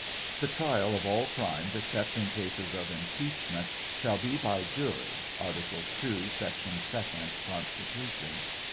" The trial of all crimes, except in cases of impeachment, shall be byjury," article 2, section 2d, Constitution.